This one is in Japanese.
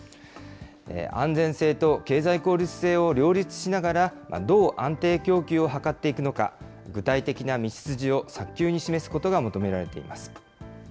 安全性と経済効率性を両立しながら、どう安定供給を図っていくのか、具体的な道筋を早急に示すことが求められています。